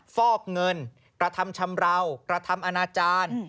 ฟอกเงินกระทำชำราวกระทำอนาจารย์